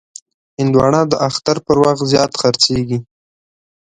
هندوانه د اختر پر وخت زیات خرڅېږي.